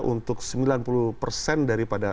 untuk sembilan puluh persen daripada